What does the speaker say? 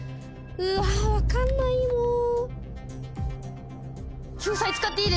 うわ分かんないもう。